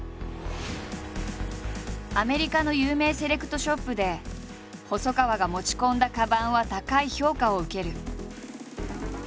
アメリカの有名セレクトショップで細川が持ち込んだかばんは高い評価を受ける。